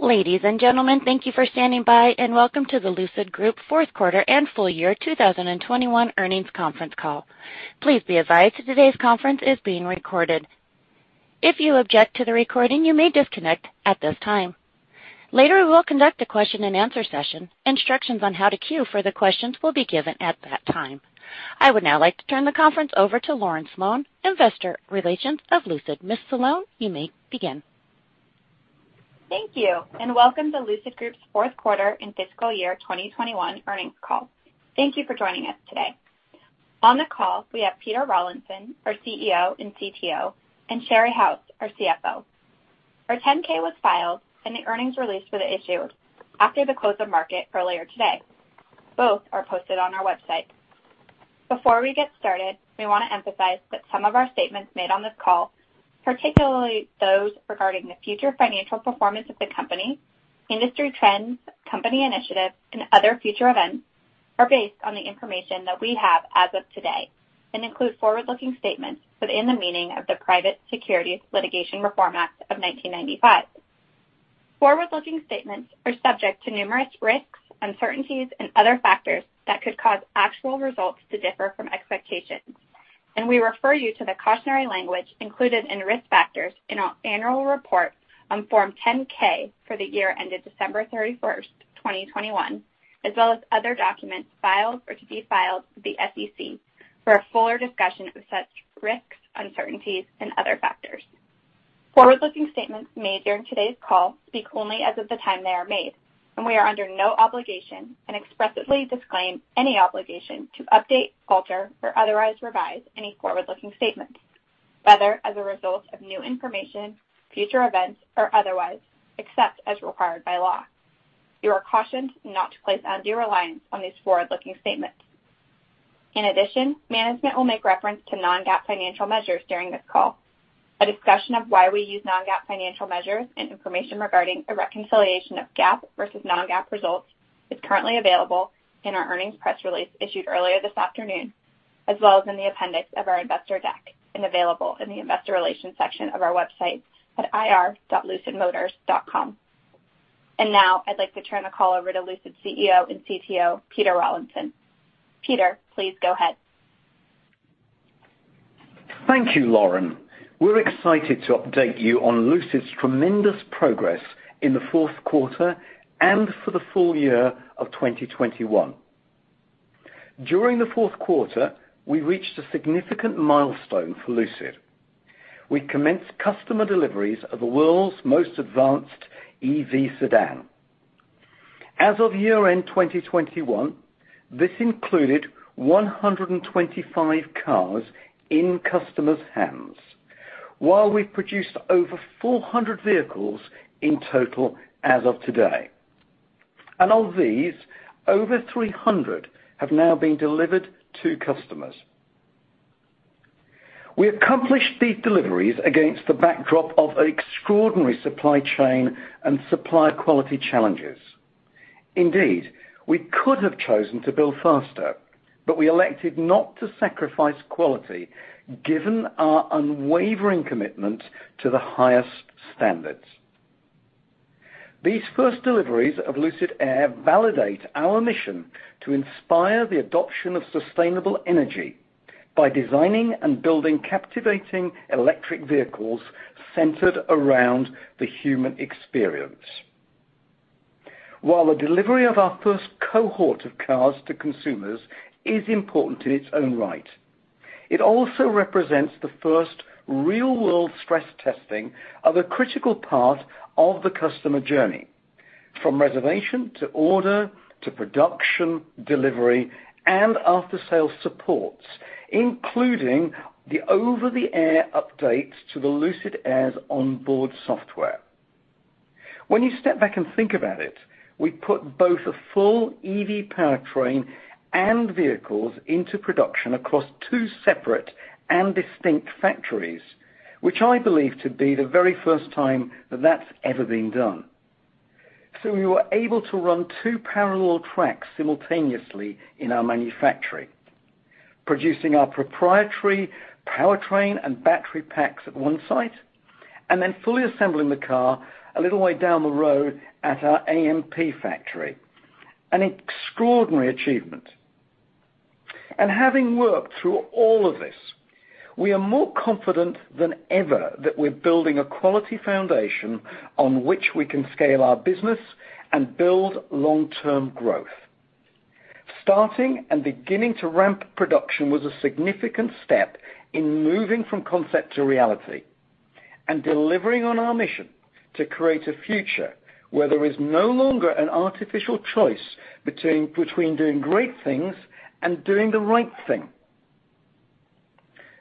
Ladies and gentlemen, thank you for standing by, and welcome to the Lucid Group fourth quarter and full year 2021 earnings conference call. Please be advised today's conference is being recorded. If you object to the recording, you may disconnect at this time. Later, we will conduct a question-and-answer session. Instructions on how to queue for the questions will be given at that time. I would now like to turn the conference over to Lauren Sloane, Investor Relations of Lucid. Ms. Sloane, you may begin. Thank you, and welcome to Lucid Group's fourth quarter and fiscal year 2021 earnings call. Thank you for joining us today. On the call, we have Peter Rawlinson, our CEO and CTO, and Sherry House, our CFO. Our 10-K was filed and the earnings release was issued after the close of market earlier today. Both are posted on our website. Before we get started, we wanna emphasize that some of our statements made on this call, particularly those regarding the future financial performance of the company, industry trends, company initiatives, and other future events, are based on the information that we have as of today and include forward-looking statements within the meaning of the Private Securities Litigation Reform Act of 1995. Forward-looking statements are subject to numerous risks, uncertainties, and other factors that could cause actual results to differ from expectations, and we refer you to the cautionary language included in risk factors in our annual report on Form 10-K for the year ended December 31st, 2021, as well as other documents filed or to be filed with the SEC for a fuller discussion of such risks, uncertainties, and other factors. Forward-looking statements made during today's call speak only as of the time they are made, and we are under no obligation and expressly disclaim any obligation to update, alter, or otherwise revise any forward-looking statements, whether as a result of new information, future events, or otherwise, except as required by law. You are cautioned not to place undue reliance on these forward-looking statements. In addition, management will make reference to non-GAAP financial measures during this call. A discussion of why we use non-GAAP financial measures and information regarding a reconciliation of GAAP versus non-GAAP results is currently available in our earnings press release issued earlier this afternoon, as well as in the appendix of our investor deck and available in the investor relations section of our website at ir.lucidmotors.com. Now I'd like to turn the call over to Lucid CEO and CTO, Peter Rawlinson. Peter, please go ahead. Thank you, Lauren. We're excited to update you on Lucid's tremendous progress in the fourth quarter and for the full year of 2021. During the fourth quarter, we reached a significant milestone for Lucid. We commenced customer deliveries of the world's most advanced EV sedan. As of year-end 2021, this included 125 cars in customers' hands. While we've produced over 400 vehicles in total as of today. Of these, over 300 have now been delivered to customers. We accomplished these deliveries against the backdrop of extraordinary supply chain and supplier quality challenges. Indeed, we could have chosen to build faster, but we elected not to sacrifice quality given our unwavering commitment to the highest standards. These first deliveries of Lucid Air validate our mission to inspire the adoption of sustainable energy by designing and building captivating electric vehicles centered around the human experience. While the delivery of our first cohort of cars to consumers is important in its own right, it also represents the first real-world stress testing of a critical part of the customer journey, from reservation to order to production, delivery, and after-sale supports, including the over-the-air updates to the Lucid Air's onboard software. When you step back and think about it, we put both a full EV powertrain and vehicles into production across two separate and distinct factories, which I believe to be the very first time that that's ever been done. We were able to run two parallel tracks simultaneously in our manufacturing, producing our proprietary powertrain and battery packs at one site and then fully assembling the car a little way down the road at our AMP factory. An extraordinary achievement. Having worked through all of this, we are more confident than ever that we're building a quality foundation on which we can scale our business and build long-term growth. Starting and beginning to ramp production was a significant step in moving from concept to reality and delivering on our mission to create a future where there is no longer an artificial choice between doing great things and doing the right thing.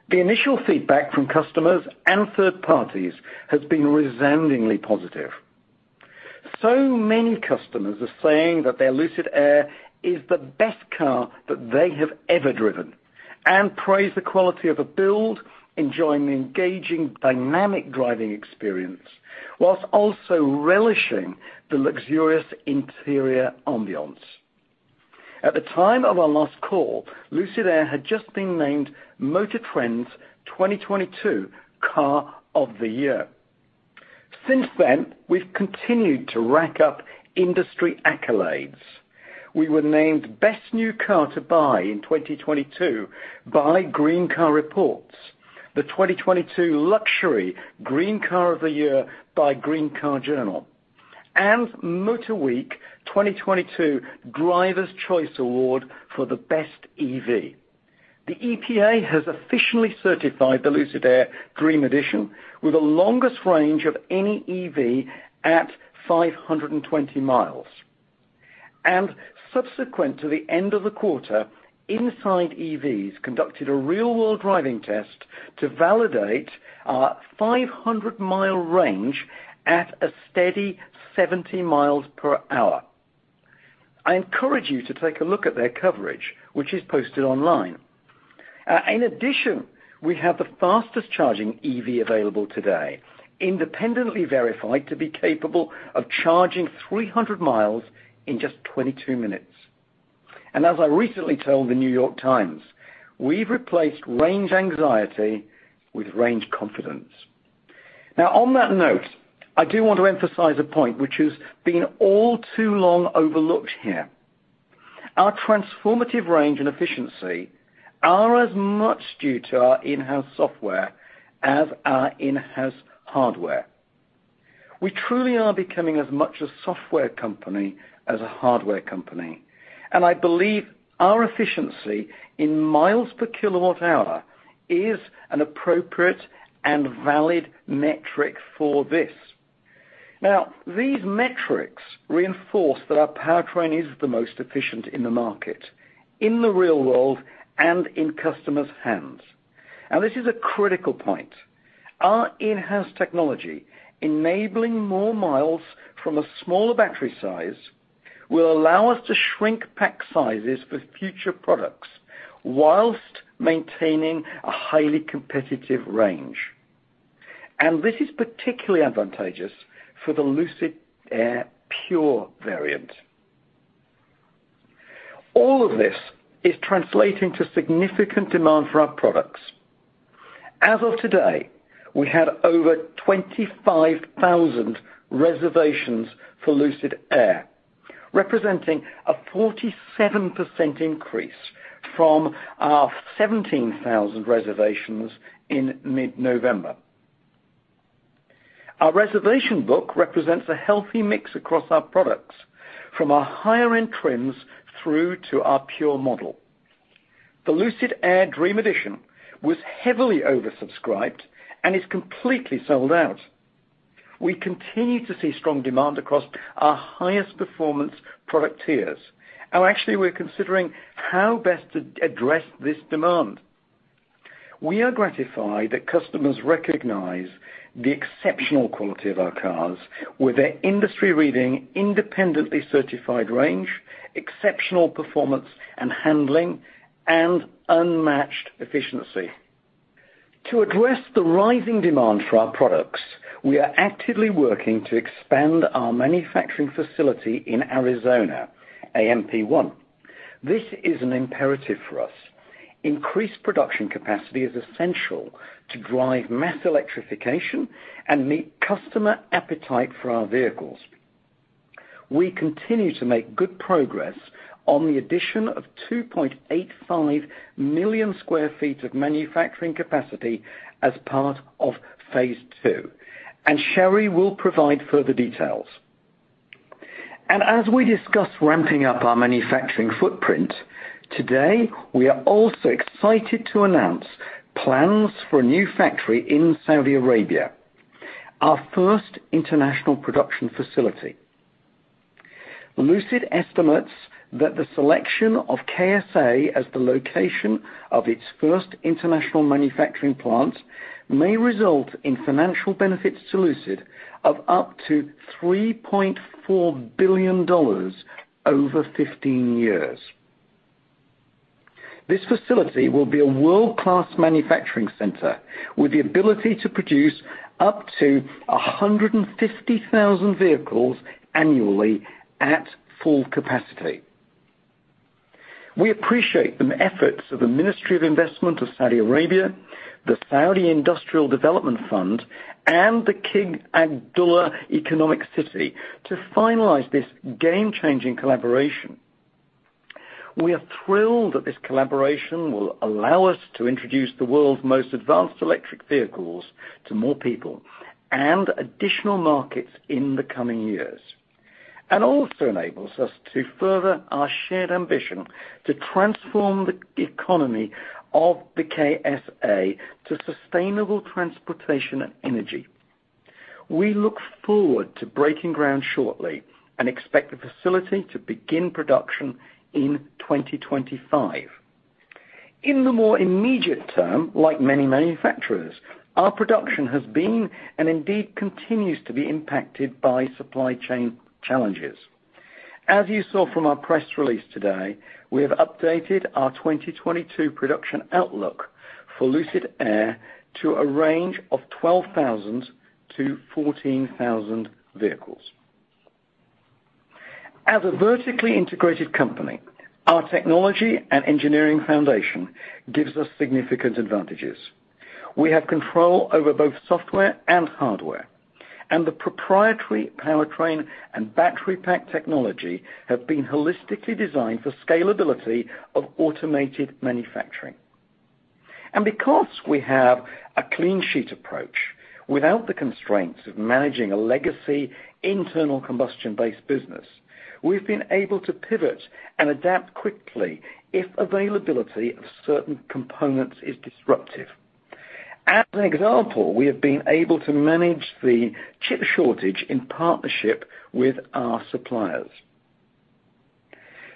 The initial feedback from customers and third parties has been resoundingly positive. Many customers are saying that their Lucid Air is the best car that they have ever driven and praise the quality of a build, enjoying the engaging, dynamic driving experience while also relishing the luxurious interior ambiance. At the time of our last call, Lucid Air had just been named MotorTrend's 2022 Car of the Year. Since then, we've continued to rack up industry accolades. We were named Best New Car to Buy in 2022 by Green Car Reports, the 2022 Luxury Green Car of the Year by Green Car Journal, and MotorWeek 2022 Driver's Choice Award for the best EV. The EPA has officially certified the Lucid Air Dream Edition with the longest range of any EV at 520 mi. Subsequent to the end of the quarter, InsideEVs conducted a real-world driving test to validate our 500 mi range at a steady 70 mph. I encourage you to take a look at their coverage, which is posted online. In addition, we have the fastest-charging EV available today, independently verified to be capable of charging 300 mi in just 22 minutes. As I recently told the New York Times, we've replaced range anxiety with range confidence. Now, on that note, I do want to emphasize a point which has been all too long overlooked here. Our transformative range and efficiency are as much due to our in-house software as our in-house hardware. We truly are becoming as much a software company as a hardware company, and I believe our efficiency in miles per kilowatt hour is an appropriate and valid metric for this. Now, these metrics reinforce that our powertrain is the most efficient in the market, in the real world, and in customers' hands. This is a critical point. Our in-house technology enabling more miles from a smaller battery size will allow us to shrink pack sizes for future products while maintaining a highly competitive range. This is particularly advantageous for the Lucid Air Pure variant. All of this is translating to significant demand for our products. As of today, we have over 25,000 reservations for Lucid Air, representing a 47% increase from our 17,000 reservations in mid-November. Our reservation book represents a healthy mix across our products, from our higher-end trims through to our Pure model. The Lucid Air Dream Edition was heavily oversubscribed and is completely sold out. We continue to see strong demand across our highest-performance product tiers, and actually, we're considering how best to address this demand. We are gratified that customers recognize the exceptional quality of our cars with their industry-leading, independently certified range, exceptional performance and handling, and unmatched efficiency. To address the rising demand for our products, we are actively working to expand our manufacturing facility in Arizona, AMP-1. This is an imperative for us. Increased production capacity is essential to drive mass electrification and meet customer appetite for our vehicles. We continue to make good progress on the addition of 2.85 million sq ft of manufacturing capacity as part of phase II, and Sherry will provide further details. As we discuss ramping up our manufacturing footprint, today we are also excited to announce plans for a new factory in Saudi Arabia, our first international production facility. Lucid estimates that the selection of KSA as the location of its first international manufacturing plant may result in financial benefits to Lucid of up to $3.4 billion over 15 years. This facility will be a world-class manufacturing center with the ability to produce up to 150,000 vehicles annually at full capacity. We appreciate the efforts of the Ministry of Investment of Saudi Arabia, the Saudi Industrial Development Fund, and the King Abdullah Economic City to finalize this game-changing collaboration. We are thrilled that this collaboration will allow us to introduce the world's most advanced electric vehicles to more people and additional markets in the coming years and enables us to further our shared ambition to transform the economy of the KSA to sustainable transportation and energy. We look forward to breaking ground shortly and expect the facility to begin production in 2025. In the more immediate term, like many manufacturers, our production has been and indeed continues to be impacted by supply chain challenges. As you saw from our press release today, we have updated our 2022 production outlook for Lucid Air to a range of 12,000-14,000 vehicles. As a vertically integrated company, our technology and engineering foundation gives us significant advantages. We have control over both software and hardware, and the proprietary powertrain and battery pack technology have been holistically designed for scalability of automated manufacturing. Because we have a clean sheet approach without the constraints of managing a legacy internal combustion-based business, we've been able to pivot and adapt quickly if availability of certain components is disruptive. As an example, we have been able to manage the chip shortage in partnership with our suppliers.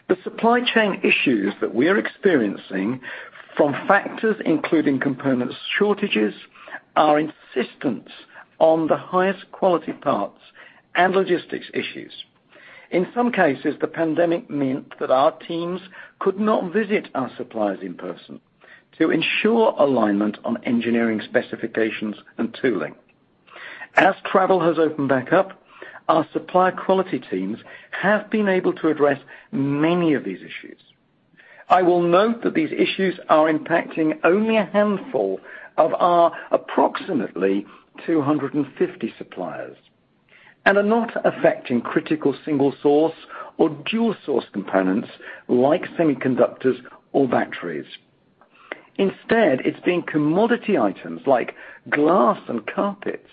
The supply chain issues that we're experiencing, from factors including components shortages, our insistence on the highest quality parts, and logistics issues. In some cases, the pandemic meant that our teams could not visit our suppliers in person to ensure alignment on engineering specifications and tooling. As travel has opened back up, our supplier quality teams have been able to address many of these issues. I will note that these issues are impacting only a handful of our approximately 250 suppliers and are not affecting critical single source or dual source components like semiconductors or batteries. Instead, it's been commodity items like glass and carpets,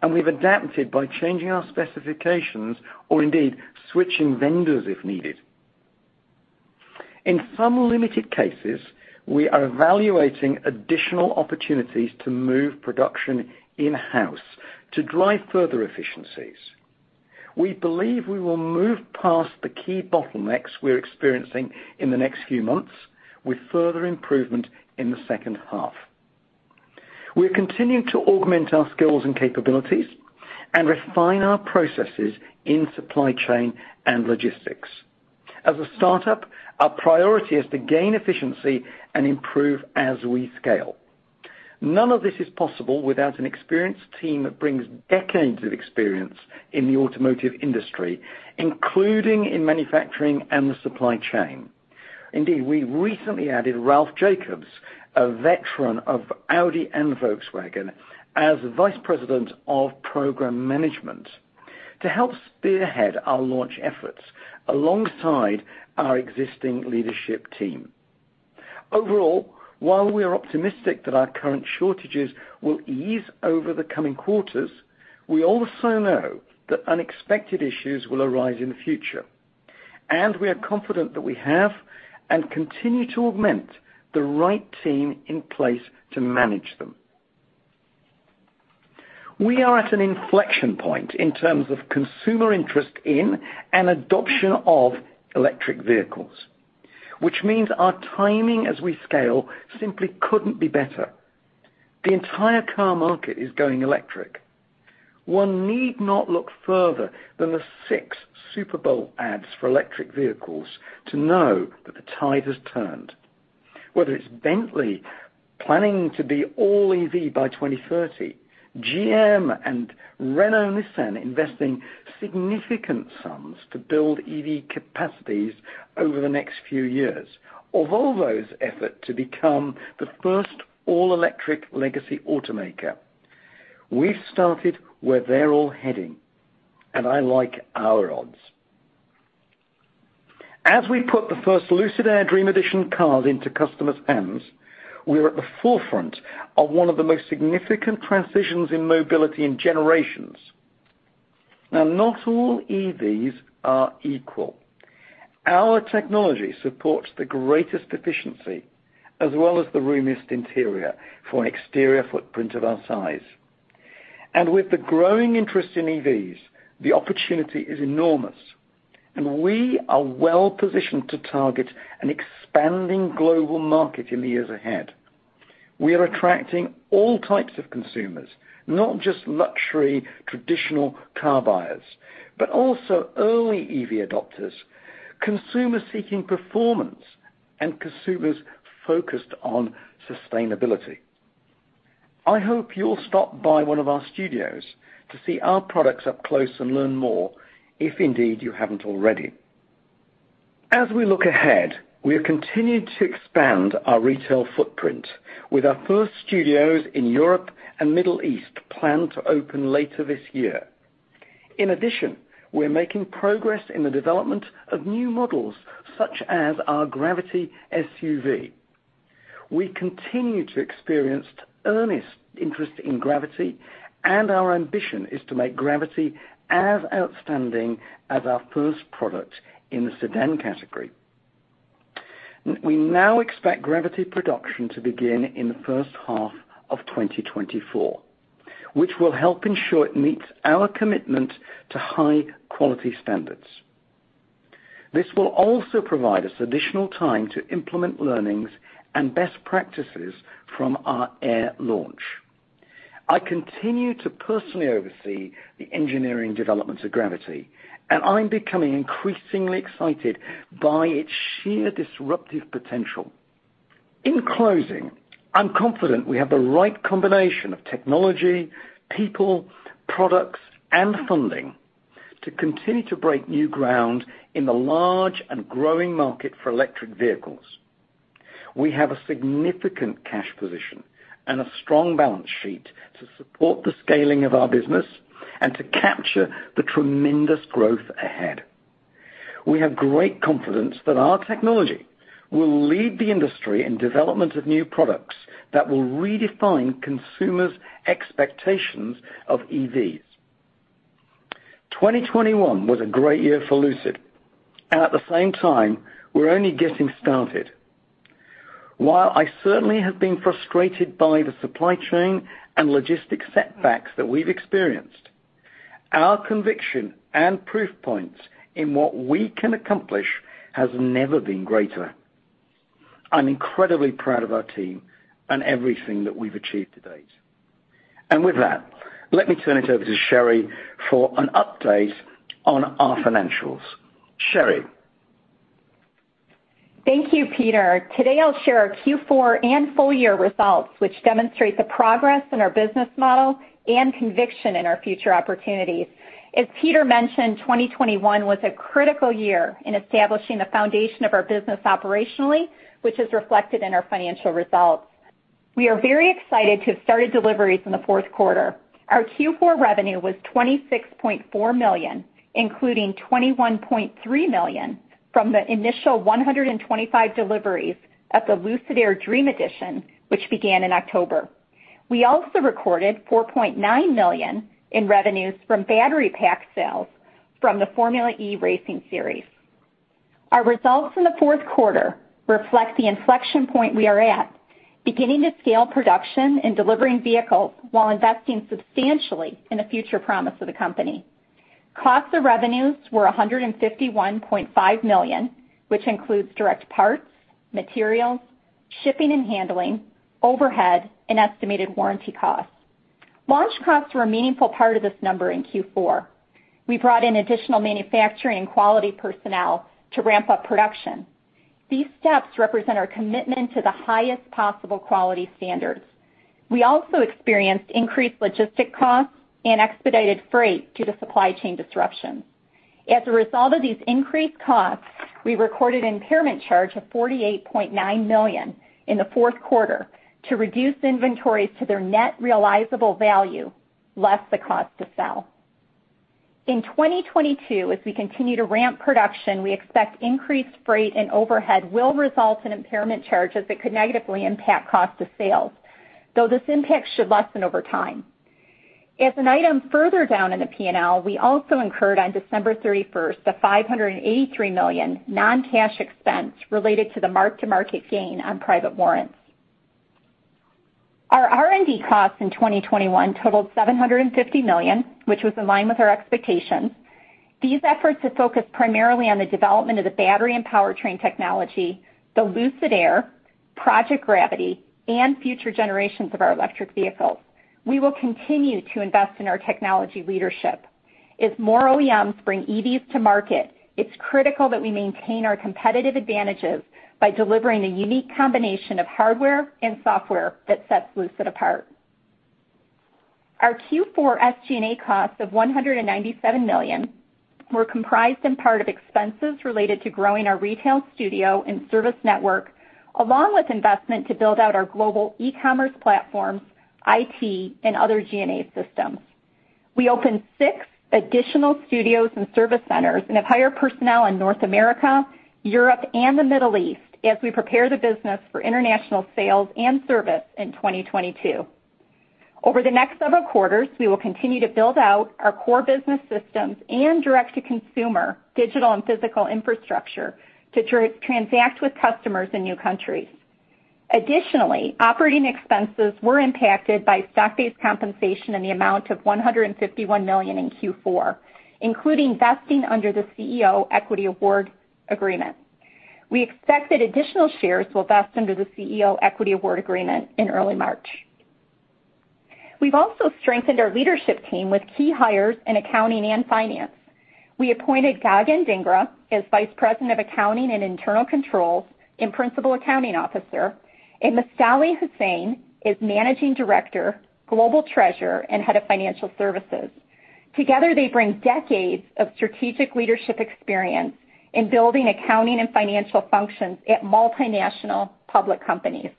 and we've adapted by changing our specifications or indeed switching vendors if needed. In some limited cases, we are evaluating additional opportunities to move production in-house to drive further efficiencies. We believe we will move past the key bottlenecks we're experiencing in the next few months with further improvement in the second half. We're continuing to augment our skills and capabilities and refine our processes in supply chain and logistics. As a startup, our priority is to gain efficiency and improve as we scale. None of this is possible without an experienced team that brings decades of experience in the automotive industry, including in manufacturing and the supply chain. Indeed, we recently added Ralph Jakobs, a veteran of Audi and Volkswagen, as Vice President of Program Management to help spearhead our launch efforts alongside our existing leadership team. Overall, while we are optimistic that our current shortages will ease over the coming quarters, we also know that unexpected issues will arise in the future, and we are confident that we have and continue to augment the right team in place to manage them. We are at an inflection point in terms of consumer interest in and adoption of electric vehicles, which means our timing as we scale simply couldn't be better. The entire car market is going electric. One need not look further than the six Super Bowl ads for electric vehicles to know that the tide has turned. Whether it's Bentley planning to be all EV by 2030, GM and Renault-Nissan investing significant sums to build EV capacities over the next few years, or Volvo's effort to become the first all-electric legacy automaker. We've started where they're all heading, and I like our odds. As we put the first Lucid Air Dream Edition cars into customers' hands, we are at the forefront of one of the most significant transitions in mobility in generations. Now, not all EVs are equal. Our technology supports the greatest efficiency as well as the roomiest interior for an exterior footprint of our size. With the growing interest in EVs, the opportunity is enormous, and we are well-positioned to target an expanding global market in the years ahead. We are attracting all types of consumers, not just luxury traditional car buyers, but also early EV adopters, consumers seeking performance, and consumers focused on sustainability. I hope you'll stop by one of our studios to see our products up close and learn more, if indeed you haven't already. As we look ahead, we have continued to expand our retail footprint with our first studios in Europe and Middle East planned to open later this year. In addition, we're making progress in the development of new models, such as our Gravity SUV. We continue to experience earnest interest in Gravity, and our ambition is to make Gravity as outstanding as our first product in the sedan category. We now expect Gravity production to begin in the first half of 2024, which will help ensure it meets our commitment to high-quality standards. This will also provide us additional time to implement learnings and best practices from our Air launch. I continue to personally oversee the engineering development of Gravity, and I'm becoming increasingly excited by its sheer disruptive potential. In closing, I'm confident we have the right combination of technology, people, products, and funding to continue to break new ground in the large and growing market for electric vehicles. We have a significant cash position and a strong balance sheet to support the scaling of our business and to capture the tremendous growth ahead. We have great confidence that our technology will lead the industry in development of new products that will redefine consumers' expectations of EVs. 2021 was a great year for Lucid, and at the same time, we're only getting started. While I certainly have been frustrated by the supply chain and logistics setbacks that we've experienced, our conviction and proof points in what we can accomplish has never been greater. I'm incredibly proud of our team and everything that we've achieved to date. With that, let me turn it over to Sherry for an update on our financials. Sherry. Thank you, Peter. Today, I'll share our Q4 and full year results, which demonstrate the progress in our business model and conviction in our future opportunities. As Peter mentioned, 2021 was a critical year in establishing the foundation of our business operationally, which is reflected in our financial results. We are very excited to have started deliveries in the fourth quarter. Our Q4 revenue was $26.4 million, including $21.3 million from the initial 125 deliveries of the Lucid Air Dream Edition, which began in October. We also recorded $4.9 million in revenues from battery pack sales from the Formula E racing series. Our results in the fourth quarter reflect the inflection point we are at, beginning to scale production and delivering vehicles while investing substantially in the future promise of the company. Cost of revenues was $151.5 million, which includes direct parts, materials, shipping and handling, overhead, and estimated warranty costs. Launch costs were a meaningful part of this number in Q4. We brought in additional manufacturing and quality personnel to ramp up production. These steps represent our commitment to the highest possible quality standards. We also experienced increased logistic costs and expedited freight due to supply chain disruptions. As a result of these increased costs, we recorded impairment charge of $48.9 million in the fourth quarter to reduce inventories to their net realizable value less the cost to sell. In 2022, as we continue to ramp production, we expect increased freight and overhead will result in impairment charges that could negatively impact cost of sales, though this impact should lessen over time. As an item further down in the P&L, we also incurred on December 31st the $583 million non-cash expense related to the mark-to-market gain on private warrants. Our R&D costs in 2021 totaled $750 million, which was in line with our expectations. These efforts are focused primarily on the development of the battery and powertrain technology, the Lucid Air, Project Gravity, and future generations of our electric vehicles. We will continue to invest in our technology leadership. As more OEMs bring EVs to market, it's critical that we maintain our competitive advantages by delivering a unique combination of hardware and software that sets Lucid apart. Our Q4 SG&A costs of $197 million were comprised in part of expenses related to growing our retail studio and service network, along with investment to build out our global e-commerce platforms, IT, and other G&A systems. We opened six additional studios and service centers and have hired personnel in North America, Europe, and the Middle East as we prepare the business for international sales and service in 2022. Over the next several quarters, we will continue to build out our core business systems and direct-to-consumer digital and physical infrastructure to transact with customers in new countries. Additionally, operating expenses were impacted by stock-based compensation in the amount of $151 million in Q4, including vesting under the CEO equity award agreement. We expect that additional shares will vest under the CEO equity award agreement in early March. We've also strengthened our leadership team with key hires in accounting and finance. We appointed Gagan Dhingra as Vice President of Accounting and Internal Controls and Principal Accounting Officer, and Taoufiq Boussaid as Managing Director, Global Treasurer, and Head of Financial Services. Together, they bring decades of strategic leadership experience in building accounting and financial functions at multinational public companies.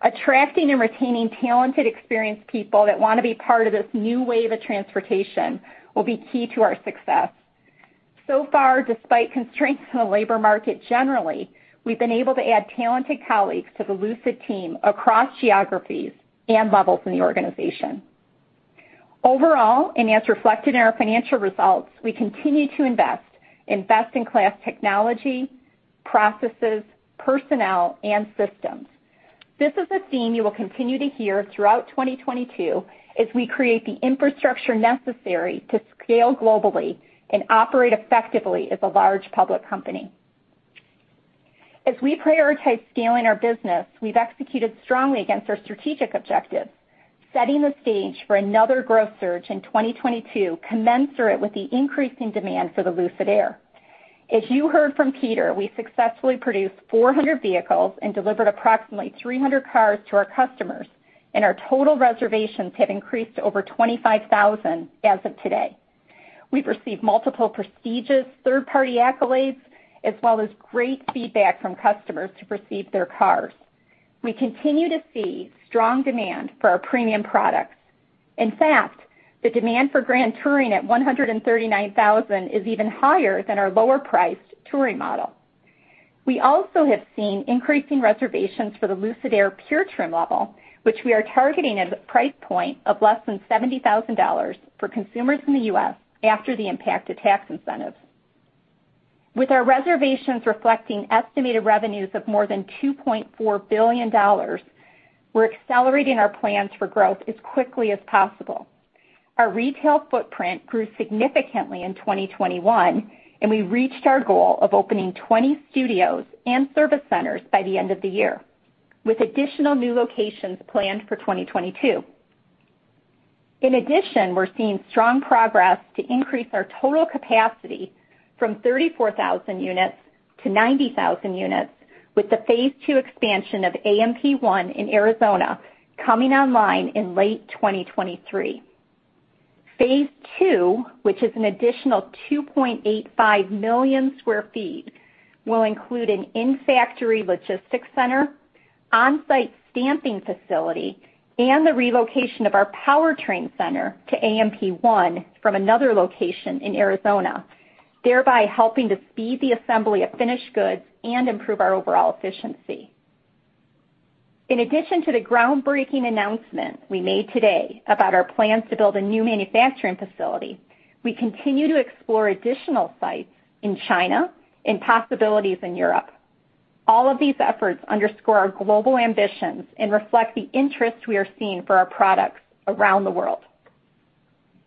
Attracting and retaining talented, experienced people that wanna be part of this new wave of transportation will be key to our success. So far, despite constraints in the labor market generally, we've been able to add talented colleagues to the Lucid team across geographies and levels in the organization. Overall, and as reflected in our financial results, we continue to invest in best-in-class technology, processes, personnel, and systems. This is a theme you will continue to hear throughout 2022 as we create the infrastructure necessary to scale globally and operate effectively as a large public company. As we prioritize scaling our business, we've executed strongly against our strategic objectives, setting the stage for another growth surge in 2022 commensurate with the increasing demand for the Lucid Air. As you heard from Peter, we successfully produced 400 vehicles and delivered approximately 300 cars to our customers, and our total reservations have increased to over 25,000 as of today. We've received multiple prestigious third-party accolades as well as great feedback from customers who received their cars. We continue to see strong demand for our premium products. In fact, the demand for Grand Touring at 139,000 is even higher than our lower-priced Touring model. We also have seen increasing reservations for the Lucid Air Pure trim level, which we are targeting at a price point of less than $70,000 for consumers in the U.S. after the impact of tax incentives. With our reservations reflecting estimated revenues of more than $2.4 billion, we're accelerating our plans for growth as quickly as possible. Our retail footprint grew significantly in 2021, and we reached our goal of opening 20 studios and service centers by the end of the year, with additional new locations planned for 2022. In addition, we're seeing strong progress to increase our total capacity from 34,000 units to 90,000 units with the phase II expansion of AMP One in Arizona coming online in late 2023. Phase two, which is an additional 2.85 million sq ft, will include an in-factory logistics center, on-site stamping facility, and the relocation of our powertrain center to AMP-1 from another location in Arizona, thereby helping to speed the assembly of finished goods and improve our overall efficiency. In addition to the groundbreaking announcement we made today about our plans to build a new manufacturing facility, we continue to explore additional sites in China and possibilities in Europe. All of these efforts underscore our global ambitions and reflect the interest we are seeing for our products around the world.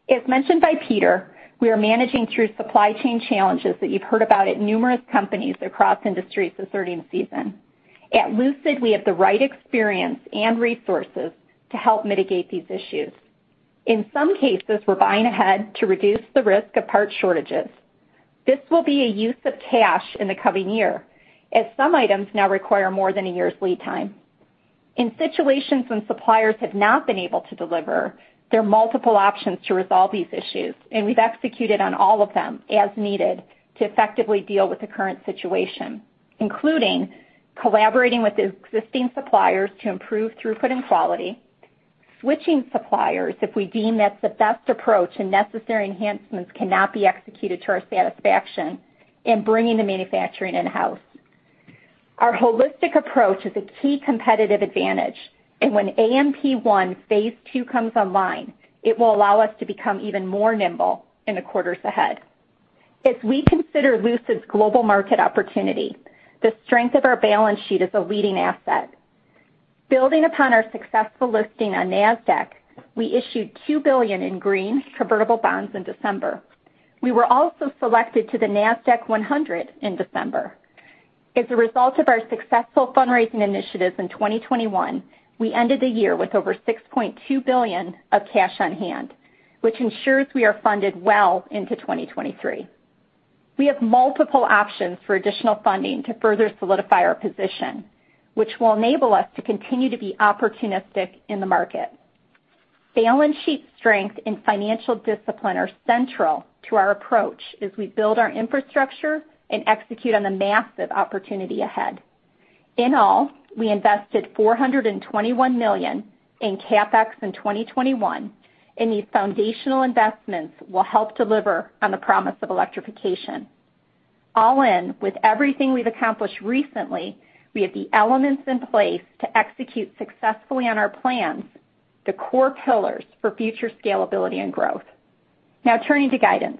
As mentioned by Peter, we are managing through supply chain challenges that you've heard about at numerous companies across industries this earnings season. At Lucid, we have the right experience and resources to help mitigate these issues. In some cases, we're buying ahead to reduce the risk of parts shortages. This will be a use of cash in the coming year, as some items now require more than a year's lead time. In situations when suppliers have not been able to deliver, there are multiple options to resolve these issues, and we've executed on all of them as needed to effectively deal with the current situation, including collaborating with existing suppliers to improve throughput and quality, switching suppliers if we deem that's the best approach, and necessary enhancements cannot be executed to our satisfaction, and bringing the manufacturing in-house. Our holistic approach is a key competitive advantage, and when AMP-1 phase II comes online, it will allow us to become even more nimble in the quarters ahead. As we consider Lucid's global market opportunity, the strength of our balance sheet is a leading asset. Building upon our successful listing on Nasdaq, we issued $2 billion in green convertible bonds in December. We were also selected to the Nasdaq-100 in December. As a result of our successful fundraising initiatives in 2021, we ended the year with over $6.2 billion of cash on hand, which ensures we are funded well into 2023. We have multiple options for additional funding to further solidify our position, which will enable us to continue to be opportunistic in the market. Balance sheet strength and financial discipline are central to our approach as we build our infrastructure and execute on the massive opportunity ahead. In all, we invested $421 million in CapEx in 2021, and these foundational investments will help deliver on the promise of electrification. All in, with everything we've accomplished recently, we have the elements in place to execute successfully on our plans, the core pillars for future scalability and growth. Now, turning to guidance.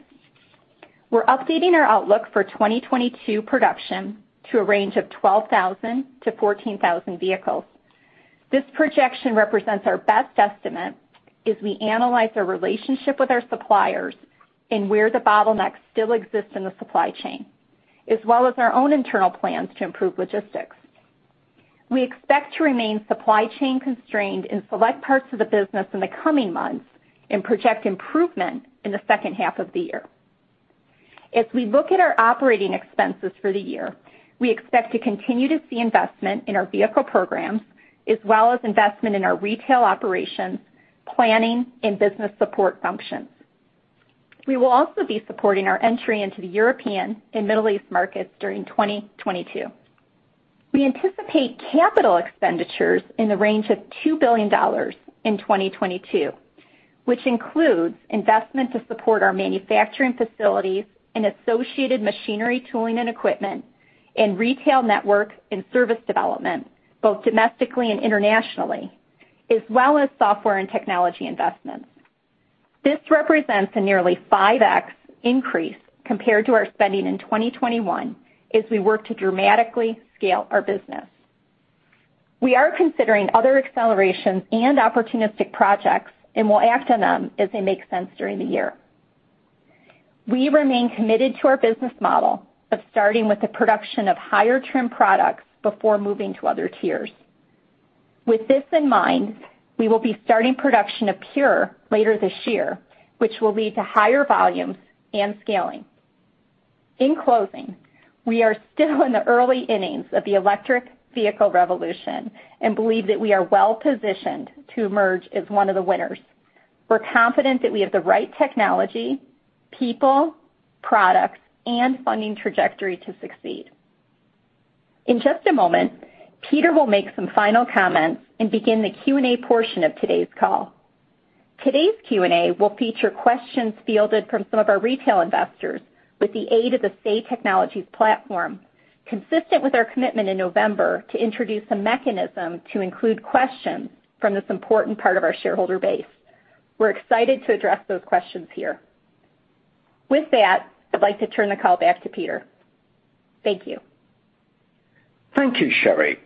We're updating our outlook for 2022 production to a range of 12,000-14,000 vehicles. This projection represents our best estimate as we analyze the relationship with our suppliers and where the bottlenecks still exist in the supply chain, as well as our own internal plans to improve logistics. We expect to remain supply-chain constrained in select parts of the business in the coming months and project improvement in the second half of the year. As we look at our operating expenses for the year, we expect to continue to see investment in our vehicle programs as well as investment in our retail operations, planning, and business support functions. We will also be supporting our entry into the European and Middle East markets during 2022. We anticipate capital expenditures in the range of $2 billion in 2022, which includes investment to support our manufacturing facilities and associated machinery, tooling, and equipment and retail network and service development, both domestically and internationally, as well as software and technology investments. This represents a nearly 5x increase compared to our spending in 2021 as we work to dramatically scale our business. We are considering other accelerations and opportunistic projects and will act on them as they make sense during the year. We remain committed to our business model of starting with the production of higher-trim products before moving to other tiers. With this in mind, we will be starting production of Pure later this year, which will lead to higher volumes and scaling. In closing, we are still in the early innings of the electric vehicle revolution and believe that we are well-positioned to emerge as one of the winners. We're confident that we have the right technology, people, products, and funding trajectory to succeed. In just a moment, Peter will make some final comments and begin the Q&A portion of today's call. Today's Q&A will feature questions fielded from some of our retail investors with the aid of the Say Technologies platform, consistent with our commitment in November to introduce a mechanism to include questions from this important part of our shareholder base. We're excited to address those questions here. With that, I'd like to turn the call back to Peter. Thank you. Thank you, Sherry.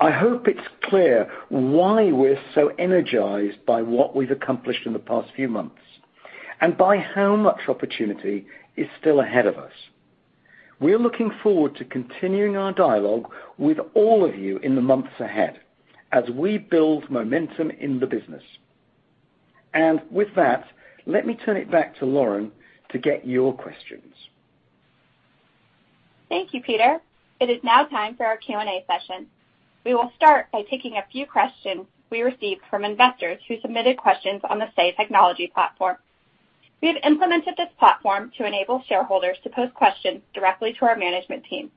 I hope it's clear why we're so energized by what we've accomplished in the past few months and by how much opportunity is still ahead of us. We're looking forward to continuing our dialogue with all of you in the months ahead as we build momentum in the business. With that, let me turn it back to Lauren to get your questions. Thank you, Peter. It is now time for our Q&A session. We will start by taking a few questions we received from investors who submitted questions on the Say Technologies platform. We have implemented this platform to enable shareholders to pose questions directly to our management team,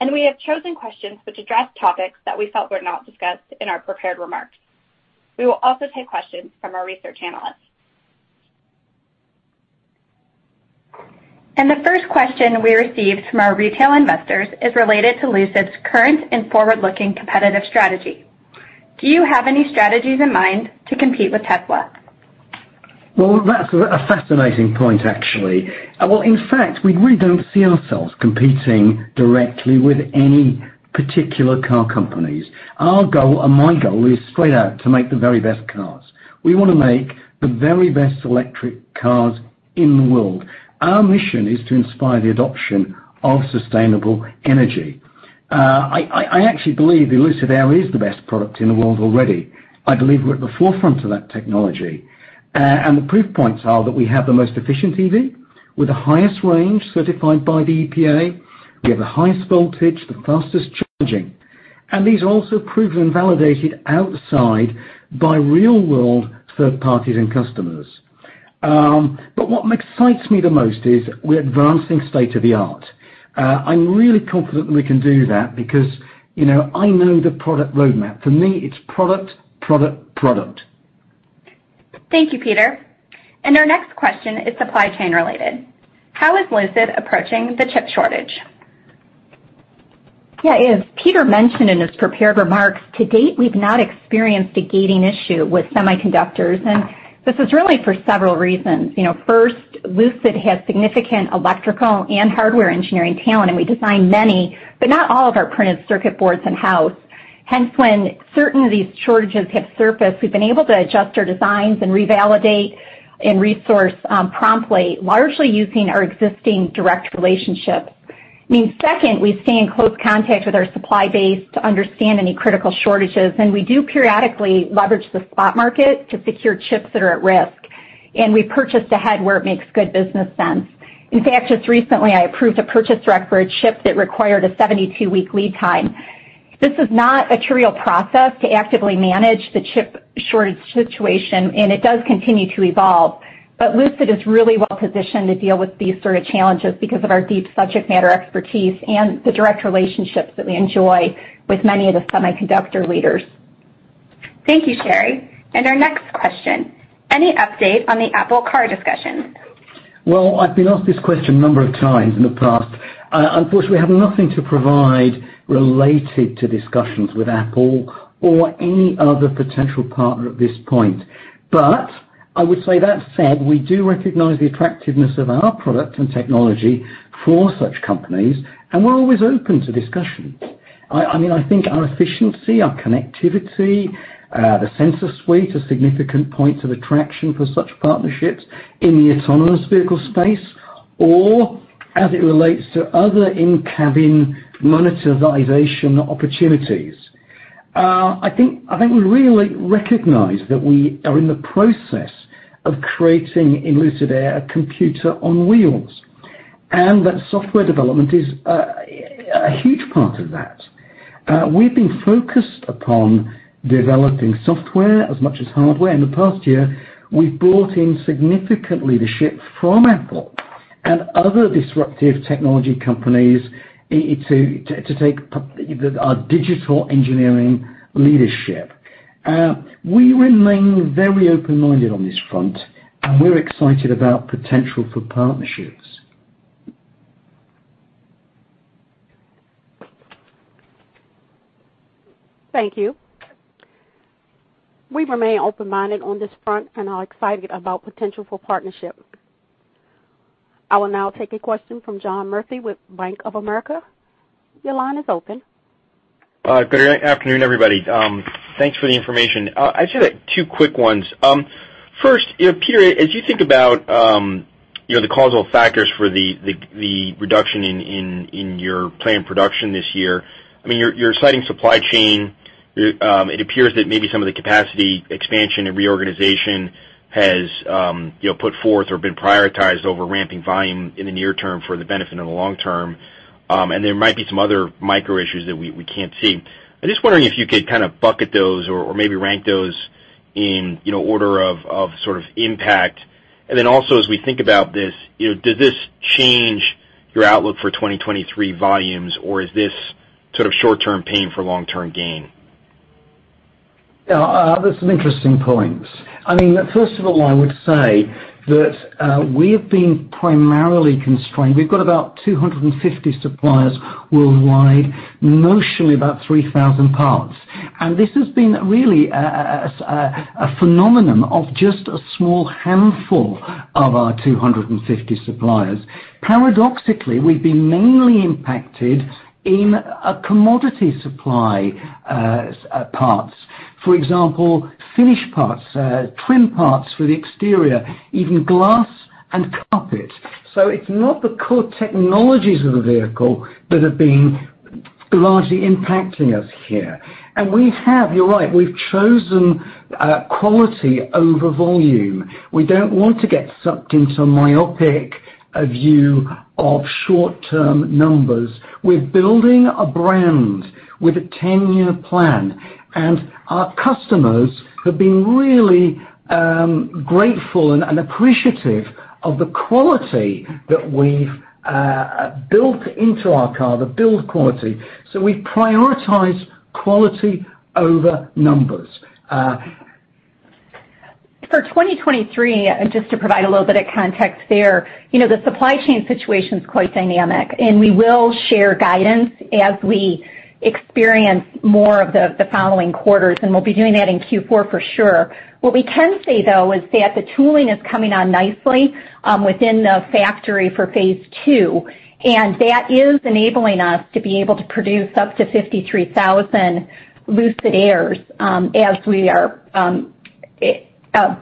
and we have chosen questions which address topics that we felt were not discussed in our prepared remarks. We will also take questions from our research analysts. The first question we received from our retail investors is related to Lucid's current and forward-looking competitive strategy. Do you have any strategies in mind to compete with Tesla? Well, that's a fascinating point, actually. Well, in fact, we really don't see ourselves competing directly with any particular car companies. Our goal and my goal is straight out to make the very best cars. We wanna make the very best electric cars in the world. Our mission is to inspire the adoption of sustainable energy. I actually believe the Lucid Air is the best product in the world already. I believe we're at the forefront of that technology. The proof points are that we have the most efficient EV with the highest range certified by the EPA. We have the highest voltage, the fastest charging, and these are also proven and validated outside by real-world third parties and customers. What excites me the most is we're advancing state-of-the-art. I'm really confident that we can do that because, you know, I know the product roadmap. For me, it's product, product. Thank you, Peter. Our next question is supply chain related. How is Lucid approaching the chip shortage? Yeah, as Peter mentioned in his prepared remarks, to date, we've not experienced a gating issue with semiconductors, and this is really for several reasons. You know, first, Lucid has significant electrical and hardware engineering talent, and we design many, but not all of our printed circuit boards in-house. Hence, when certain of these shortages have surfaced, we've been able to adjust our designs and revalidate and resource, promptly, largely using our existing direct relationships. I mean, second, we stay in close contact with our supply base to understand any critical shortages, and we do periodically leverage the spot market to secure chips that are at risk, and we purchase ahead where it makes good business sense. In fact, just recently, I approved a purchase rec for a chip that required a 72-week lead time. This is not a trivial process to actively manage the chip shortage situation, and it does continue to evolve. Lucid is really well positioned to deal with these sort of challenges because of our deep subject matter expertise and the direct relationships that we enjoy with many of the semiconductor leaders. Thank you, Sherry. Our next question. Any update on the Apple Car discussions? Well, I've been asked this question a number of times in the past. Unfortunately, I have nothing to provide related to discussions with Apple or any other potential partner at this point. I would say, that said, we do recognize the attractiveness of our product and technology for such companies, and we're always open to discussions. I mean, I think our efficiency, our connectivity, the sensor suite are significant points of attraction for such partnerships in the autonomous vehicle space or as it relates to other in-cabin monetization opportunities. I think we really recognize that we are in the process of creating a Lucid Air computer on wheels, and that software development is a huge part of that. We've been focused upon developing software as much as hardware. In the past year, we've brought in significant leadership from Apple and other disruptive technology companies to take our digital engineering leadership. We remain very open-minded on this front, and we're excited about potential for partnerships. Thank you. We remain open-minded on this front and are excited about potential for partnership. I will now take a question from John Murphy with Bank of America. Your line is open. Good afternoon, everybody. Thanks for the information. I just have two quick ones. First, you know, Peter, as you think about you know, the causal factors for the reduction in your planned production this year, I mean, you're citing supply chain. It appears that maybe some of the capacity expansion and reorganization has put forth or been prioritized over ramping volume in the near term for the benefit in the long term. There might be some other micro issues that we can't see. I'm just wondering if you could kind of bucket those or maybe rank those in you know, order of sort of impact. As we think about this, you know, does this change your outlook for 2023 volumes, or is this sort of short-term pain for long-term gain? Yeah, that's an interesting point. I mean, first of all, I would say that, we have been primarily constrained. We've got about 250 suppliers worldwide, notionally about 3,000 parts. This has been really a phenomenon of just a small handful of our 250 suppliers. Paradoxically, we've been mainly impacted in a commodity supply, parts. For example, finish parts, twin parts for the exterior, even glass and carpet. It's not the core technologies of the vehicle that have been largely impacting us here. We have, you're right, we've chosen, quality over volume. We don't want to get sucked into a myopic view of short-term numbers. We're building a brand with a 10-year plan, and our customers have been really, grateful and appreciative of the quality that we've built into our car, the build quality. We prioritize quality over numbers. For 2023, just to provide a little bit of context there, you know, the supply chain situation is quite dynamic, and we will share guidance as we experience more of the following quarters, and we'll be doing that in Q4 for sure. What we can say, though, is that the tooling is coming on nicely within the factory for phase two, and that is enabling us to be able to produce up to 53,000 Lucid Airs as we are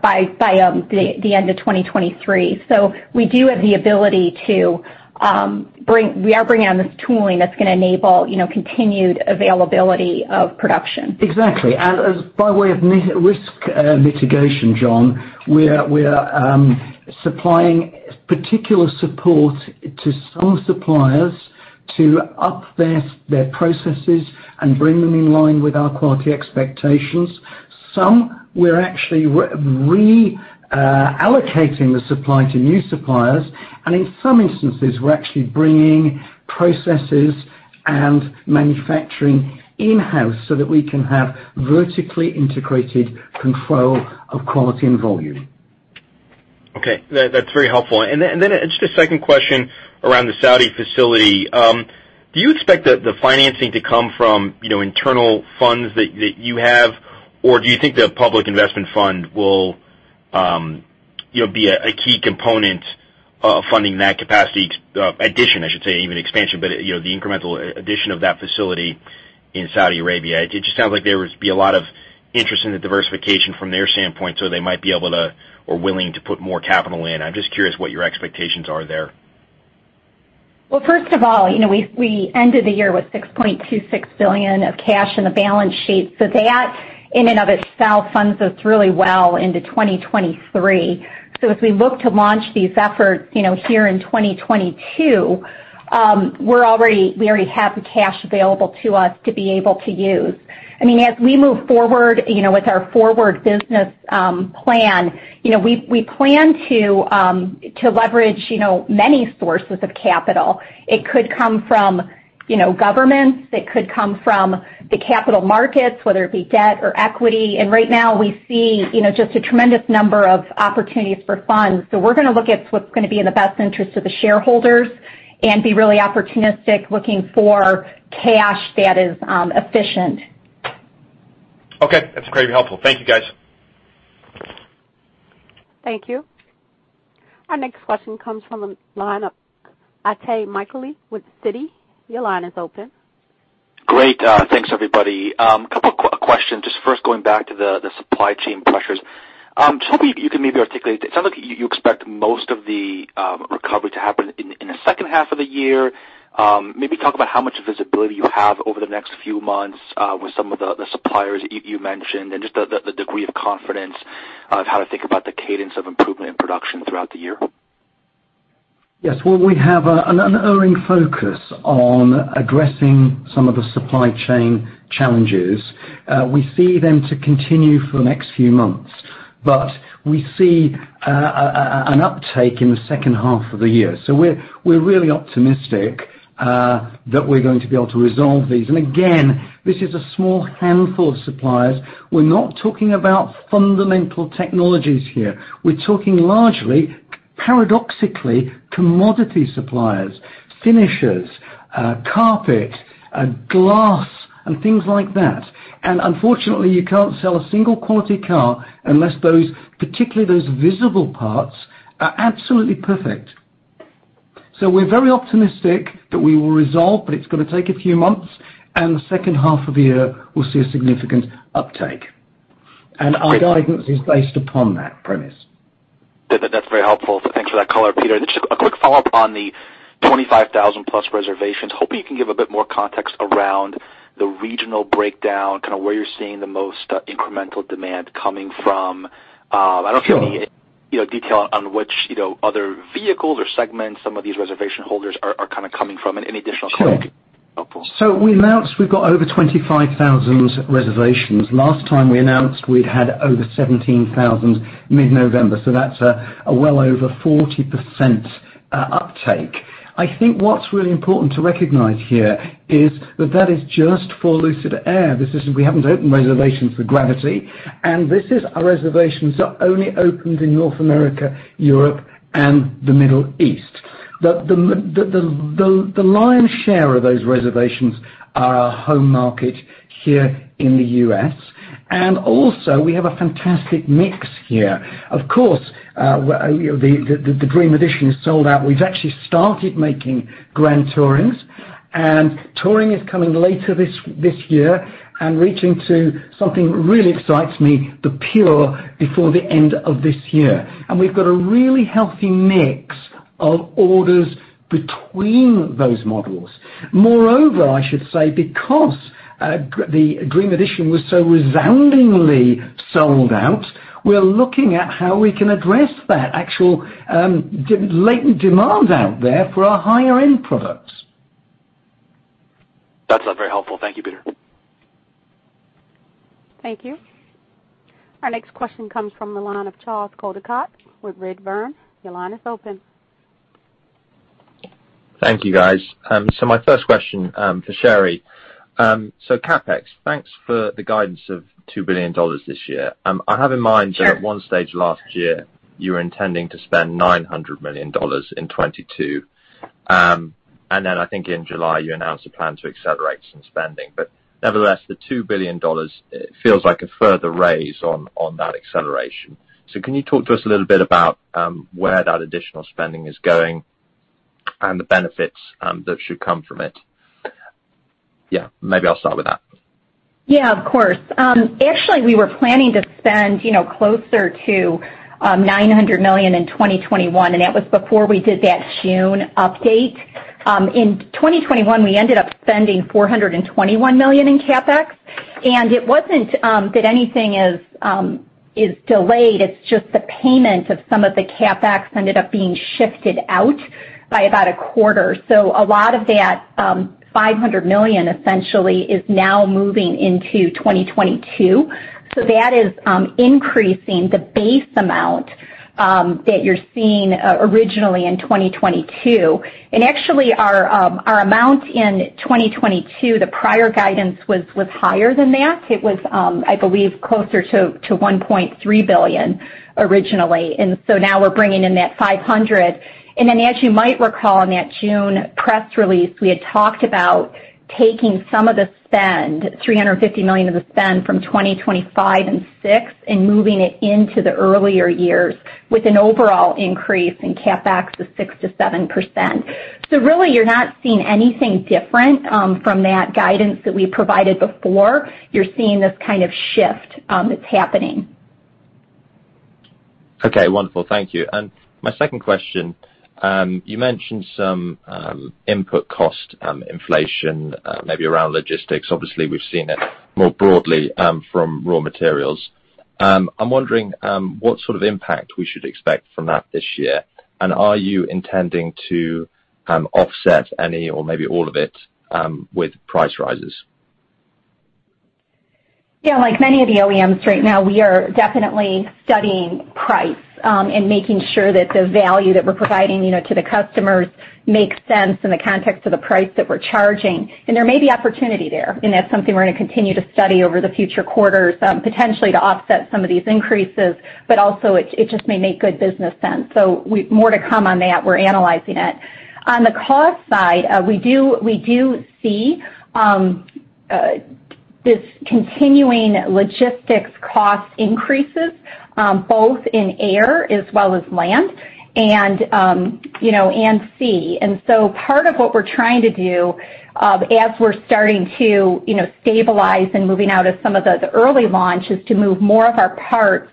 by the end of 2023. So we do have the ability to. We are bringing on this tooling that's gonna enable, you know, continued availability of production. Exactly. As by way of risk mitigation, John, we're supplying particular support to some suppliers to up their processes and bring them in line with our quality expectations. Some we're actually reallocating the supply to new suppliers, and in some instances, we're actually bringing processes and manufacturing in-house so that we can have vertically integrated control of quality and volume. Okay. That's very helpful. Just a second question around the Saudi facility. Do you expect the financing to come from, you know, internal funds that you have, or do you think the public investment fund will, you know, be a key component of funding that capacity, addition, I should say, even expansion, but, you know, the incremental addition of that facility in Saudi Arabia? It just sounds like there would be a lot of interest in the diversification from their standpoint, they might be able to or willing to put more capital in. I'm just curious what your expectations are there. Well, first of all, you know, we ended the year with $6.26 billion of cash in the balance sheet. That in and of itself funds us really well into 2023. As we look to launch these efforts, you know, here in 2022, we already have the cash available to us to be able to use. I mean, as we move forward, you know, with our forward business plan, you know, we plan to leverage, you know, many sources of capital. It could come from, you know, governments. It could come from the capital markets, whether it be debt or equity. Right now, we see, you know, just a tremendous number of opportunities for funds. We're gonna look at what's gonna be in the best interest of the shareholders and be really opportunistic looking for cash that is efficient. Okay. That's very helpful. Thank you, guys. Thank you. Our next question comes from the line of Itay Michaeli with Citi. Your line is open. Great. Thanks, everybody. Couple questions. Just first, going back to the supply chain pressures. I just hope you can maybe articulate. It sounds like you expect most of the recovery to happen in the second half of the year. Maybe talk about how much visibility you have over the next few months with some of the suppliers you mentioned and just the degree of confidence of how to think about the cadence of improvement in production throughout the year. Yes. Well, we have an unerring focus on addressing some of the supply chain challenges. We see them to continue for the next few months, but we see an uptake in the second half of the year. We're really optimistic that we're going to be able to resolve these. Again, this is a small handful of suppliers. We're not talking about fundamental technologies here. We're talking largely, paradoxically, commodity suppliers, finishers, carpet and glass and things like that. Unfortunately, you can't sell a single quality car unless those, particularly those visible parts, are absolutely perfect. We're very optimistic that we will resolve, but it's gonna take a few months, and the second half of the year we'll see a significant uptake. Our guidance is based upon that premise. That's very helpful. Thanks for that color, Peter. Just a quick follow-up on the 25,000+ reservations. Hoping you can give a bit more context around the regional breakdown, kinda where you're seeing the most incremental demand coming from. Sure. I don't see any, you know, detail on which, you know, other vehicles or segments some of these reservation holders are kinda coming from and any additional color. Sure. We announced we've got over 25,000 reservations. Last time we announced we'd had over 17,000, mid-November, so that's a well over 40% uptake. I think what's really important to recognize here is that that is just for Lucid Air. We haven't opened reservations for Gravity, and this is our reservations are only opened in North America, Europe, and the Middle East. The lion's share of those reservations are our home market here in the U.S. Also we have a fantastic mix here. Of course, you know, the Dream Edition is sold out. We've actually started making Grand Tourings, and Touring is coming later this year and reaching to something that really excites me, the Pure, before the end of this year. We've got a really healthy mix of orders between those models. Moreover, I should say, because the Dream Edition was so resoundingly sold out, we're looking at how we can address that actual latent demand out there for our higher-end products. That's very helpful. Thank you, Peter. Thank you. Our next question comes from the line of Charles Coldicott with Redburn. Your line is open. Thank you, guys. My first question, for Sherry. CapEx, thanks for the guidance of $2 billion this year. I have in mind- Sure that at one stage last year, you were intending to spend $900 million in 2022. I think in July, you announced a plan to accelerate some spending. Nevertheless, the $2 billion feels like a further raise on that acceleration. Can you talk to us a little bit about where that additional spending is going and the benefits that should come from it? Yeah, maybe I'll start with that. Yeah, of course. Actually, we were planning to spend, you know, closer to $900 million in 2021, and that was before we did that June update. In 2021, we ended up spending $421 million in CapEx, and it wasn't that anything is delayed, it's just the payment of some of the CapEx ended up being shifted out by about a quarter. A lot of that $500 million essentially is now moving into 2022. That is increasing the base amount that you're seeing originally in 2022. Actually our amount in 2022, the prior guidance was higher than that. It was, I believe, closer to $1.3 billion originally. Now we're bringing in that $500 million. As you might recall in that June press release, we had talked about taking some of the spend, $350 million of the spend from 2025 and 2026 and moving it into the earlier years with an overall increase in CapEx of 6%-7%. Really you're not seeing anything different from that guidance that we provided before. You're seeing this kind of shift that's happening. Okay, wonderful. Thank you. My second question, you mentioned some input cost inflation, maybe around logistics. Obviously, we've seen it more broadly from raw materials. I'm wondering what sort of impact we should expect from that this year, and are you intending to offset any or maybe all of it with price rises? Yeah, like many of the OEMs right now, we are definitely studying price and making sure that the value that we're providing, you know, to the customers makes sense in the context of the price that we're charging. There may be opportunity there, and that's something we're gonna continue to study over the future quarters, potentially to offset some of these increases, but also it just may make good business sense. More to come on that, we're analyzing it. On the cost side, we do see this continuing logistics cost increases, both in air as well as land and sea. Part of what we're trying to do, as we're starting to, you know, stabilize and moving out of some of the early launch, is to move more of our parts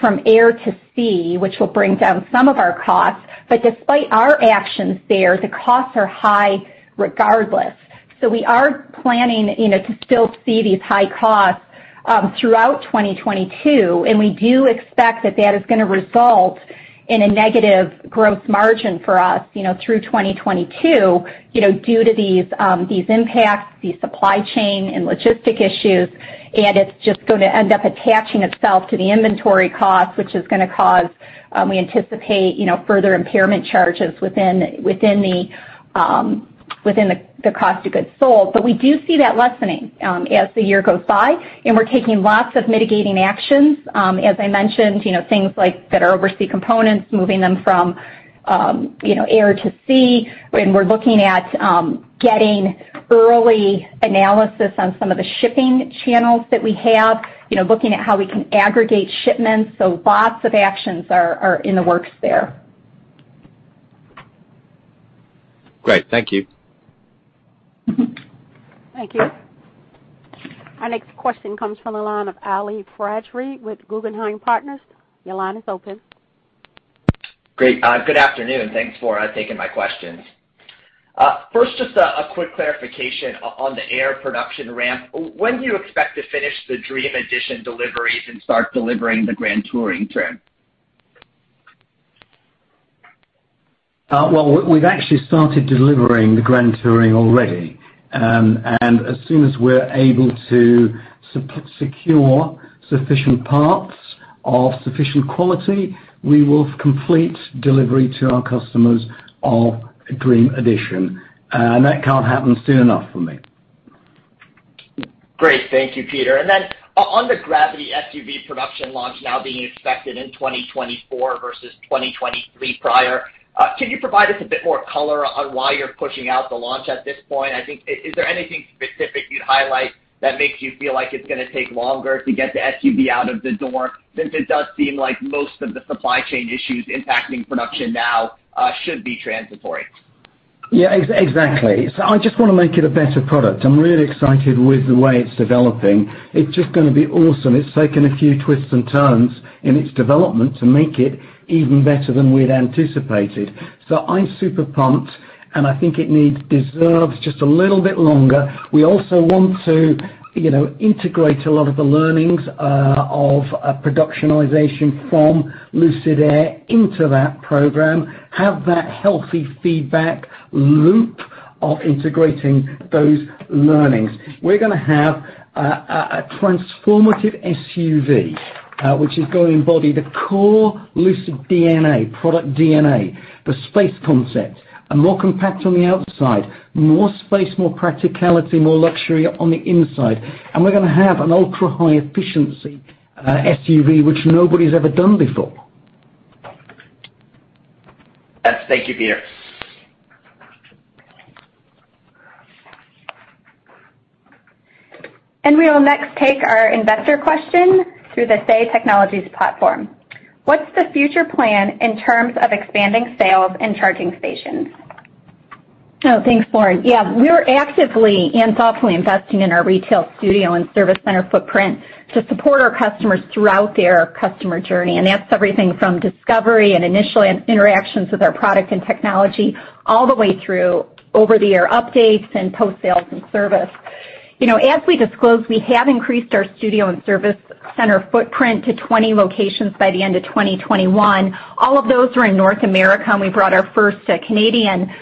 from air to sea, which will bring down some of our costs. Despite our actions there, the costs are high regardless. We are planning, you know, to still see these high costs throughout 2022, and we do expect that is gonna result in a negative gross margin for us, you know, through 2022, you know, due to these impacts, the supply chain and logistics issues. It's just gonna end up attaching itself to the inventory cost, which is gonna cause, we anticipate, you know, further impairment charges within the cost of goods sold. We do see that lessening, as the year goes by, and we're taking lots of mitigating actions. As I mentioned, you know, things like that are overseas components, moving them from, you know, air to sea. We're looking at, getting early analysis on some of the shipping channels that we have. You know, looking at how we can aggregate shipments, so lots of actions are in the works there. Great. Thank you. Thank you. Our next question comes from the line of Ali Faghri with Guggenheim Partners. Your line is open. Great. Good afternoon. Thanks for taking my questions. First, just a quick clarification on the Air production ramp. When do you expect to finish the Dream Edition deliveries and start delivering the Grand Touring trim? Well, we've actually started delivering the Grand Touring already. As soon as we're able to secure sufficient parts of sufficient quality, we will complete delivery to our customers of Dream Edition. That can't happen soon enough for me. Great. Thank you, Peter. On the Lucid Gravity production launch now being expected in 2024 versus 2023 prior, can you provide us a bit more color on why you're pushing out the launch at this point? I think is there anything specific you'd highlight that makes you feel like it's gonna take longer to get the SUV out of the door, since it does seem like most of the supply chain issues impacting production now should be transitory? Yeah, exactly. I just wanna make it a better product. I'm really excited with the way it's developing. It's just gonna be awesome. It's taken a few twists and turns in its development to make it even better than we'd anticipated. I'm super pumped, and I think it needs, deserves just a little bit longer. We also want to, you know, integrate a lot of the learnings of a productionization from Lucid Air into that program, have that healthy feedback loop of integrating those learnings. We're gonna have a transformative SUV, which is gonna embody the core Lucid DNA, product DNA, the space concept, and more compact on the outside, more space, more practicality, more luxury on the inside. We're gonna have an ultra-high efficiency SUV, which nobody's ever done before. Yes. Thank you, Peter. We will next take our investor question through the Say Technologies platform. What's the future plan in terms of expanding sales and charging stations? Oh, thanks, Lauren. Yeah, we are actively and thoughtfully investing in our retail studio and service center footprint to support our customers throughout their customer journey. That's everything from discovery and initial interactions with our product and technology all the way through over-the-air updates and post-sales and service. You know, as we disclosed, we have increased our studio and service center footprint to 20 locations by the end of 2021. All of those are in North America, and we brought our first Canadian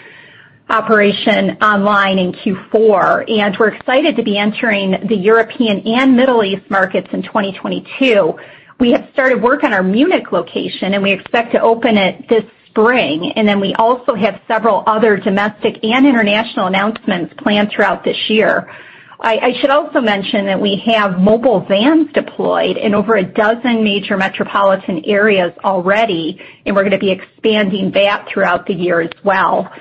operation online in Q4. We're excited to be entering the European and Middle East markets in 2022. We have started work on our Munich location, and we expect to open it this spring. We also have several other domestic and international announcements planned throughout this year. I should also mention that we have mobile vans deployed in over a dozen major metropolitan areas already, and we're gonna be expanding that throughout the year as well.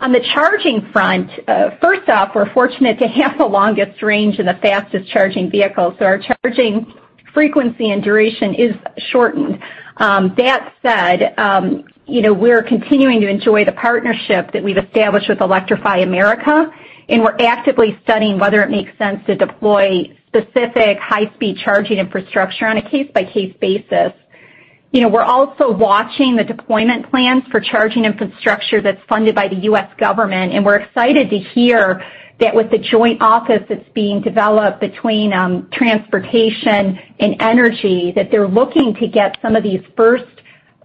On the charging front, first off, we're fortunate to have the longest range and the fastest charging vehicle, so our charging frequency and duration is shortened. That said, you know, we're continuing to enjoy the partnership that we've established with Electrify America, and we're actively studying whether it makes sense to deploy specific high-speed charging infrastructure on a case-by-case basis. You know, we're also watching the deployment plans for charging infrastructure that's funded by the U.S. government, and we're excited to hear that with the joint office that's being developed between transportation and energy, that they're looking to get some of these first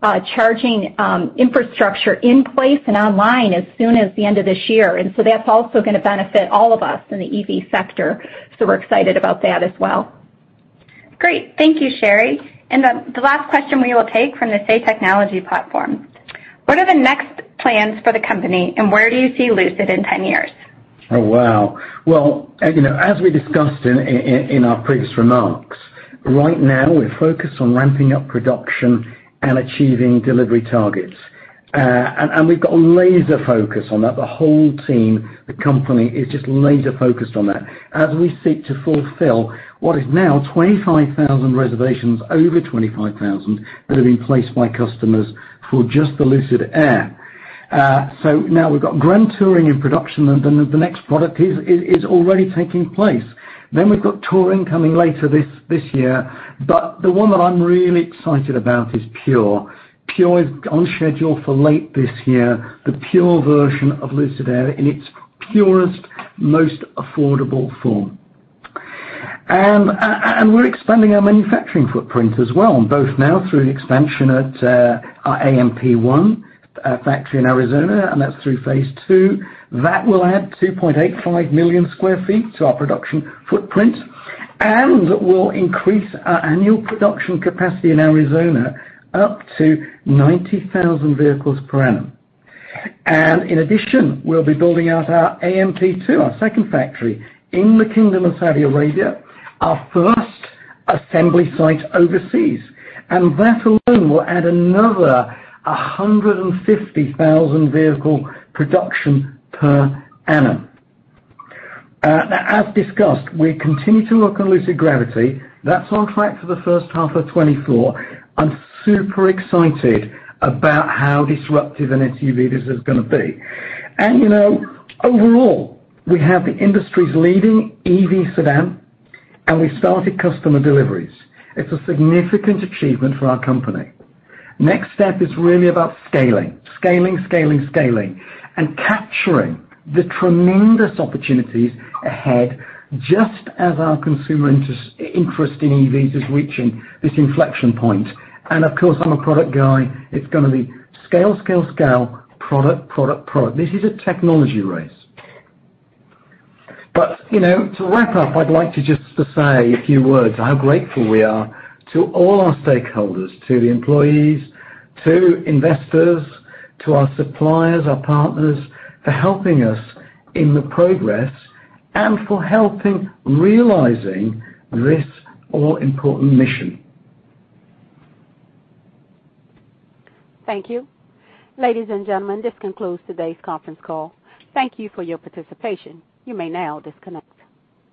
charging infrastructure in place and online as soon as the end of this year. That's also gonna benefit all of us in the EV sector, so we're excited about that as well. Great. Thank you, Sherry. The last question we will take from the Say Technologies platform: What are the next plans for the company, and where do you see Lucid in 10 years? Oh, wow. Well, you know, as we discussed in our previous remarks, right now we're focused on ramping up production and achieving delivery targets. And we've got laser focus on that. The whole team, the company is just laser focused on that as we seek to fulfill what is now 25,000 reservations, over 25,000, that have been placed by customers for just the Lucid Air. So now we've got Grand Touring in production, and the next product is already taking place. Then we've got Touring coming later this year, but the one that I'm really excited about is Pure. Pure is on schedule for late this year, the Pure version of Lucid Air in its purest, most affordable form. And we're expanding our manufacturing footprint as well, both now through an expansion at our AMP One factory in Arizona, and that's through phase two. That will add 2.85 million sq ft to our production footprint and will increase our annual production capacity in Arizona up to 90,000 vehicles per annum. In addition, we'll be building out our AMP Two, our second factory, in the Kingdom of Saudi Arabia, our first assembly site overseas, and that alone will add another 150,000 vehicles per annum. As discussed, we continue to work on Lucid Gravity. That's on track for the first half of 2024. I'm super excited about how disruptive an SUV this is gonna be. You know, overall, we have the industry's leading EV sedan, and we started customer deliveries. It's a significant achievement for our company. Next step is really about scaling. Scaling, scaling and capturing the tremendous opportunities ahead just as our consumer interest in EVs is reaching this inflection point. Of course, I'm a product guy. It's gonna be scale, scale, product, product. This is a technology race. You know, to wrap up, I'd like to just say a few words, how grateful we are to all our stakeholders, to the employees, to investors, to our suppliers, our partners, for helping us in the progress and for helping realizing this all-important mission. Thank you. Ladies and gentlemen, this concludes today's conference call. Thank you for your participation. You may now disconnect.